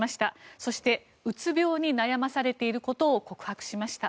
そしてうつ病に悩まされていることを告白しました。